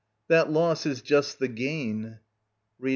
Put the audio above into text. That loss is just the gain. Rita.